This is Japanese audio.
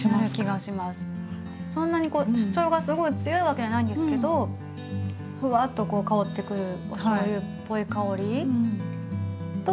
そんなに主張がすごい強いわけじゃないんですけどふわっとこう香ってくるおしょうゆっぽい香りと。